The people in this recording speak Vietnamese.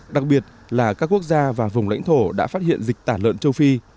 đặc biệt là các quốc gia và vùng lãnh thổ đã phát hiện dịch tả lợn châu phi